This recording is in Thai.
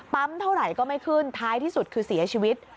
เท่าไหร่ก็ไม่ขึ้นท้ายที่สุดคือเสียชีวิต